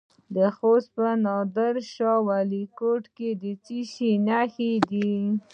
د خوست په نادر شاه کوټ کې د څه شي نښې دي؟